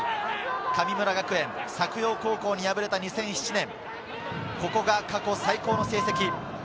神村学園が作陽高校に敗れた２００７年、ここが過去最高の成績です。